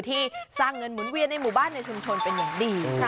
ที่สร้างเงินหมุนเวียนในหมู่บ้านในชุมชนเป็นอย่างดี